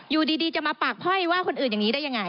อยู่ดีจะมาปากพ้อยว่าคนอื่นอย่างนี้ได้ยังไง